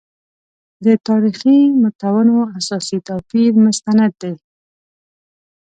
د تاریخي متونو اساسي توپیر مستند دی.